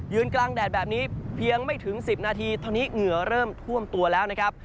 กลางแดดแบบนี้เพียงไม่ถึง๑๐นาทีตอนนี้เหงื่อเริ่มท่วมตัวแล้วนะครับ